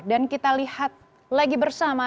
dan kita lihat lagi bersama